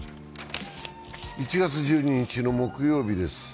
１月１２日の木曜日です。